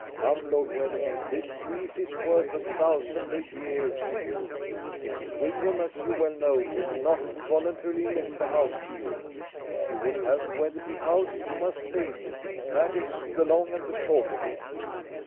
"Come, Lord Wetherby, this lease is worth a thousand a year to you. Mrs. Wigram, as you well know, will not voluntarily let the house to you. If you would have Wetherby House you must pay me. That is the long and the short of it."